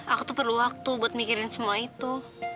aku tuh perlu waktu buat mikirin semua itu